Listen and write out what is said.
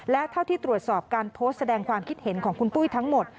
และเท่าที่ตรวจสอบการโพสต์แสดงความคิดเห็นของคุณปุ้ยทั้งหมด